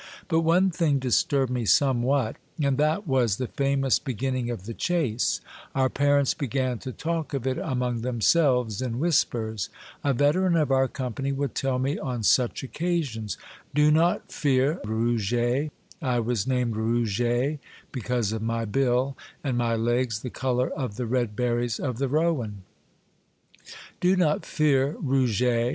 But one thing disturbed me somewhat, and that was the famous beginning of the chase ; our parents began to talk of it among themselves, in whispers; a veteran of our company would tell me on such occasions, —" Do not fear, Rouget," — I was named Rouget because of my bill, and my legs the color of the red berries of the rowan, —" do not fear, Rouget.